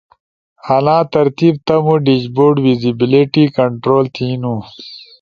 انا ترتیب تمو ڈیشبورڈ ویسیبیلیٹی کنٹرول تھینو۔